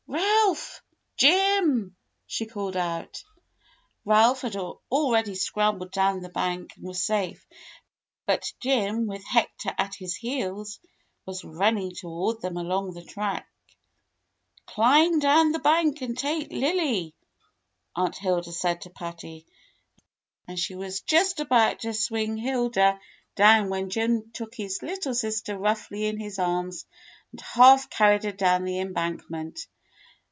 "Ralph! Jim!" she called out. Ralph had already scrambled down the bank and was safe, but Jim, with Hector at his heels, was run ning toward them along the track. "Climb down the bank and take Lily," Aunt Hilda said to Patty, and she was just about to swing Evelyn THE BIRTHDAY DINNER 97 down when Jim took his httle sister roughly in his arms and half carried her down the embankment.